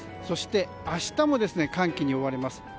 そして明日も寒気に覆われます。